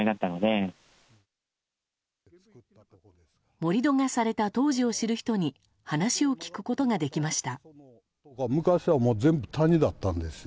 盛り土がされた当時を知る人に話を聞くことができました。